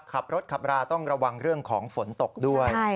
ขับรถขับราต้องระวังเรื่องของฝนตกด้วย